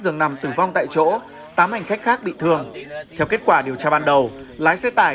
dường nằm tử vong tại chỗ tám hành khách khác bị thương theo kết quả điều tra ban đầu lái xe tải